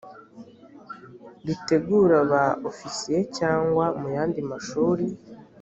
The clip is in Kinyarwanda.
ritegura ba ofisiye cyangwa mu yandi mashuri